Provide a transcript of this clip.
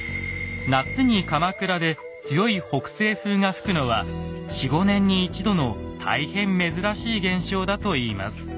夏に鎌倉で強い北西風が吹くのは４５年に一度の大変珍しい現象だといいます。